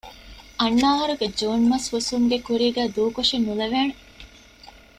އަންނަ އަހަރުގެ ޖޫން މަސް ހުސްވުމުގެ ކުރީގައި ދޫކޮށެއް ނުލެވޭނެ